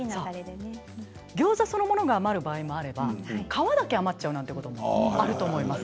ギョーザそのものが余る場合もあれば皮だけが余っちゃうなんてこともあると思います。